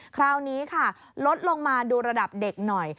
คราวนี้ค่ะลดลงมาดูระดับเด็กหน่อย